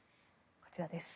こちらです。